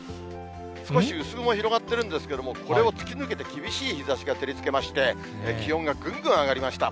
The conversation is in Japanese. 少し薄雲広がってるんですけれども、これを突き抜けて厳しい日ざしが照りつけまして、気温がぐんぐん上がりました。